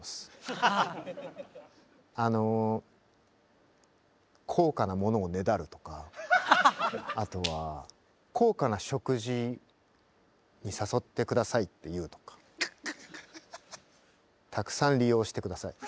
あの高価なものをねだるとかあとは高価な食事に誘って下さいって言うとかたくさん利用して下さい。